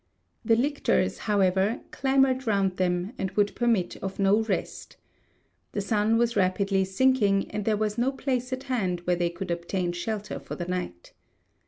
The lictors, however, clamoured round them, and would permit of no rest. The sun was rapidly sinking, and there was no place at hand where they could obtain shelter for the night.